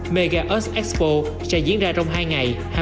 mega earth expo sẽ diễn ra trong hai ngày